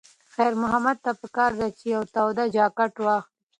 خیر محمد ته پکار ده چې یوه توده جاکټ واخلي.